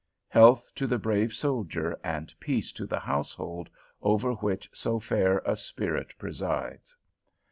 Health to the brave soldier, and peace to the household over which so fair a spirit presides!